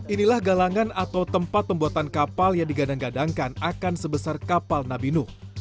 inilah galangan atau tempat pembuatan kapal yang digadang gadangkan akan sebesar kapal nabi nu